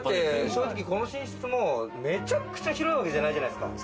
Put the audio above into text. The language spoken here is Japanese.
正直、この寝室もめちゃくちゃ広いわけじゃないじゃないですか。